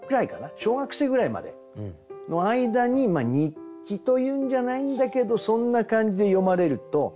小学生ぐらいまでの間に日記というんじゃないんだけどそんな感じで詠まれるといいかなと。